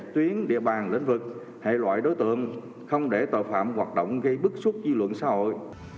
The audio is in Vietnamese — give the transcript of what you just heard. tuyến địa bàn lĩnh vực hệ loại đối tượng không để tội phạm hoạt động gây bức xúc dư luận xã hội